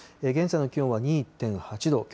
現在の気温は２．８度。